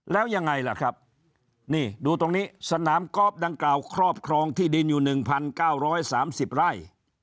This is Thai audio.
แล้วยังไงล่ะครับนี่ดูตรงนี้สนามกอล์ฟดังกล่าวครอบครองที่ดินอยู่๑๙๓๐ไร่